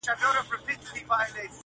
منظور پښتین ته:!!